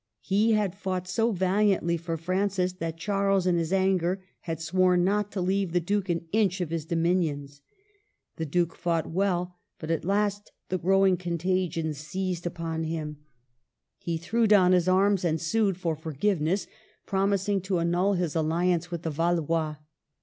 He had fought so valiantly for Francis, that Charles in his anger had sworn not to leave the Duke an inch of his dominions. The Duke fought well ; but at last the growing contagion seized upon him. He 196 MARGARET OF ANGOULEME. threw down his arms and sued for forgiveness, promising to annul his alHance with the Valois.